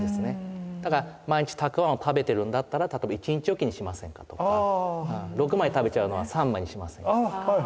だから毎日たくあんを食べてるんだったら例えば１日置きにしませんかとか６枚食べちゃうのは３枚にしませんかとか。